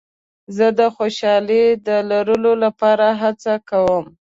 زه د خوشحالۍ د لرلو لپاره هڅه کوم.